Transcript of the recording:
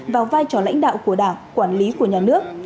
vào vai trò lãnh đạo của đảng quản lý của nhà nước